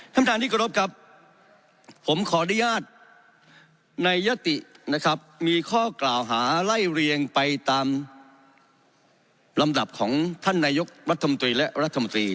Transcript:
ท่านประธานที่กรบครับผมขออนุญาตในยตินะครับมีข้อกล่าวหาไล่เรียงไปตามลำดับของท่านนายกรัฐมนตรีและรัฐมนตรี